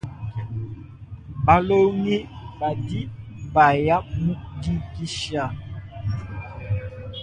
Balongi badi baya mu dikisha.